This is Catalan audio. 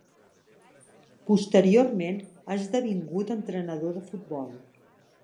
Posteriorment ha esdevingut entrenador de futbol.